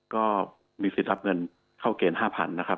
ก็มีสิทธิ์รับเงินเข้าเกณฑ์๕๐๐๐นะครับ